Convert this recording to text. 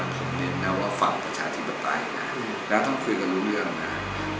ผมเรียกไหมว่าฝั่งประชาธิบิตัยนะครับและต้องคุยกันรู้เรื่องนะครับ